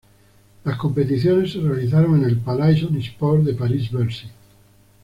Las competiciones se realizaron en el Palais Omnisports de Paris-Bercy.